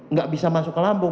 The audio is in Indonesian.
nggak bisa masuk ke lampung